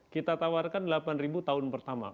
kita tawarkan delapan tahun pertama